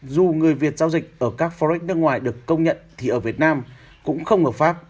dù người việt giao dịch ở các forex nước ngoài được công nhận thì ở việt nam cũng không hợp pháp